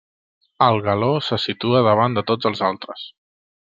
El galó se situa davant de tots els altres.